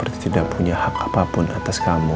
meskipun saya juga akan hancur